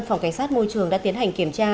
phòng cảnh sát môi trường đã tiến hành kiểm tra